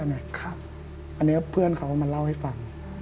อันนี้เพื่อนเขามาเล่าให้ฟัง